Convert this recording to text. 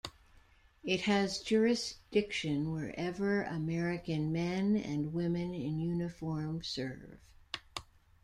It has jurisdiction wherever American men and women in uniform serve.